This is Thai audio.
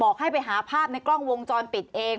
ให้ไปหาภาพในกล้องวงจรปิดเอง